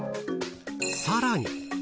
さらに！